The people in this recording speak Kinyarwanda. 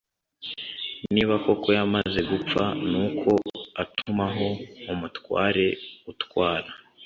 niba koko yamaze gupfa Nuko atumaho umutware utwara